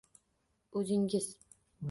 “O’zingiz.”